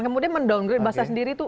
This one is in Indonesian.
kemudian mendowngrade bahasa sendiri itu